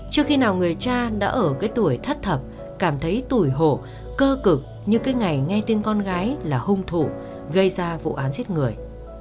trước khi nào người cha đã ở cái tuổi thất thập cảm thấy tuổi hồ cơ cực như cái ngày nghe tin con gái là hung thủ gây ra vụ án giết người